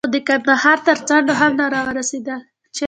خو د کندهار تر څنډو هم نه را ورسېدل.